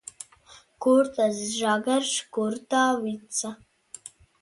Kur tas žagars, kur tā vica?